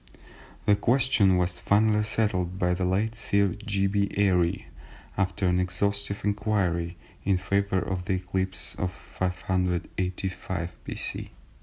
The question was finally settled by the late Sir G. B. Airy, after an exhaustive inquiry, in favour of the eclipse of 585 B.C.